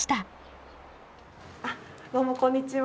あどうもこんにちは。